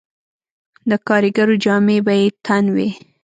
د کاریګرو جامې به یې تن وې